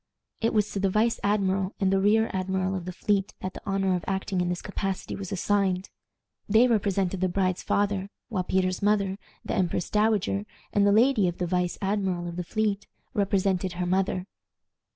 It was to the vice admiral and the rear admiral of the fleet that the honor of acting in this capacity was assigned. They represented the bride's father, while Peter's mother, the empress dowager, and the lady of the vice admiral of the fleet represented her mother.